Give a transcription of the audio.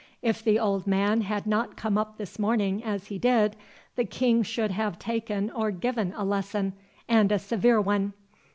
If the old man had not come up this morning as he did, the King should have taken or given a lesson, and a severe one.